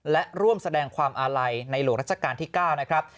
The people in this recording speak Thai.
และร่วมแสดงความอาลัยในหลวงรัชกาลที่๙นะครับ